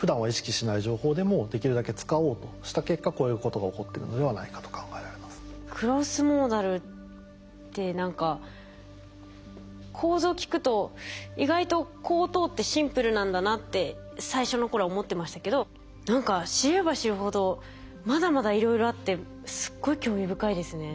ただ「判断をする」みたいなところでだからこそクロスモーダルって何か構造を聞くと意外とこう通ってシンプルなんだなって最初の頃は思ってましたけど何か知れば知るほどまだまだいろいろあってすごい興味深いですね。